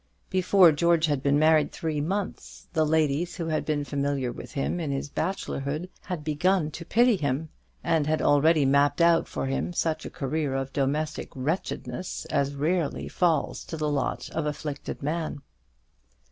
Before George had been married three months, the ladies who had been familiar with him in his bachelorhood had begun to pity him, and had already mapped out for him such a career of domestic wretchedness as rarely falls to the lot of afflicted man.